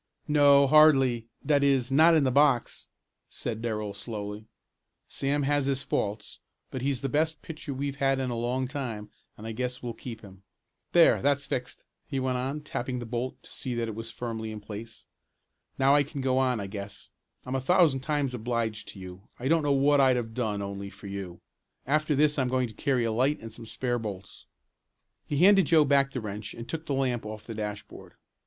"No, hardly, that is, not in the box," said Darrell slowly. "Sam has his faults, but he's the best pitcher we've had in a long time and I guess we'll keep him. There, that's fixed," he went on, tapping the bolt to see that it was firmly in place. "Now I can go on, I guess. I'm a thousand times obliged to you. I don't know what I'd have done only for you. After this I'm going to carry a light, and some spare bolts." He handed Joe back the wrench and took the lamp off the dashboard.